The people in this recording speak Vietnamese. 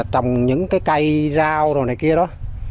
trồng những cái cây rau rồi này kia đó